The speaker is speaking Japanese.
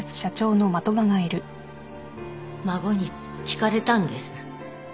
孫に聞かれたんです。